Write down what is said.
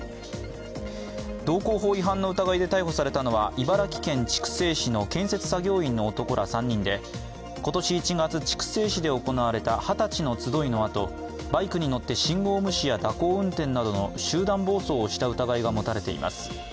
道交法違反の疑いで逮捕されたのは茨城県筑西市の建設作業員の男３人で今年１月、筑西市で行われた二十歳の集いのあとバイクに乗って信号無視や蛇行運転などの集団暴走をした疑いが持たれています。